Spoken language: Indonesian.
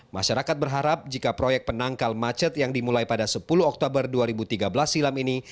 masyarakat berharap jika proyek penangkal macet yang dimulai pada sepuluh oktober dua ribu tiga belas silam ini